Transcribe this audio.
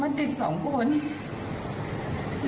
อ๋อไปนั่งเก้าอี้